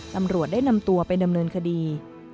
ตำรวจได้นำตัวไปดำเนินคดี